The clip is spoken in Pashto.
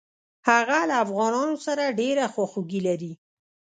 هغه له افغانانو سره ډېره خواخوږي لري.